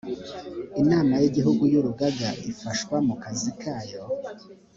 inama y igihugu y urugaga ifashwa mu kazi kayo